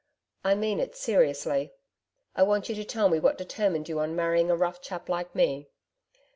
I mean it seriously. I want you to tell me what determined you on marrying a rough chap like me?